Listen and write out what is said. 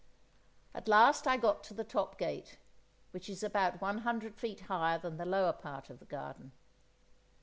At last I got to the top gate, which is about one hundred feet higher than the lower part of the garden.